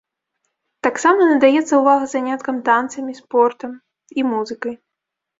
Таксама надаецца ўвага заняткам танцамі, спортам і музыкай.